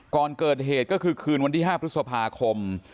ก่อนเกิดเหตุก็คือคืนวันที่๕พฤษภาคม